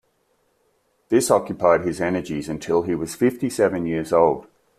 This occupied his energies until he was fifty-seven years old.